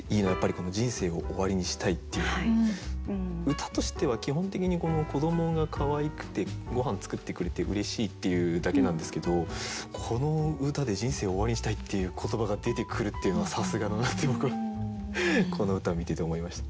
歌としては基本的に子どもがかわいくてごはん作ってくれてうれしいっていうだけなんですけどこの歌で「人生を終わりにしたい」っていう言葉が出てくるっていうのはさすがだなって僕この歌を見てて思いました。